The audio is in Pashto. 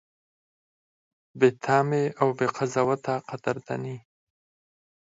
بې تمې او بې قضاوته قدرداني: